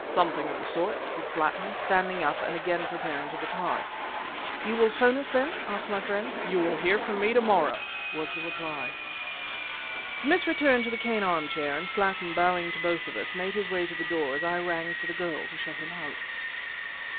"Something of the sort," said Slattin, standing up and again preparing to depart. "You will 'phone us, then?" asked my friend. "You will hear from me to morrow," was the reply. Smith returned to the cane armchair, and Slattin, bowing to both of us, made his way to the door as I rang for the girl to show him out.